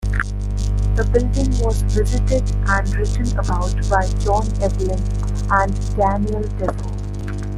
The building was visited and written about by John Evelyn and Daniel Defoe.